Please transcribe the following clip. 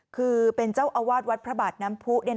คือเป็นเจ้าอาวาสวัดพระบาทน้ำผู้